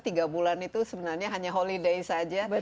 tiga bulan itu sebenarnya hanya holiday saja